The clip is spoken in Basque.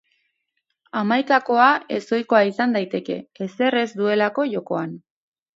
Hamaikakoa ezohikoa izan daiteke, ezer ez dutelako jokoan.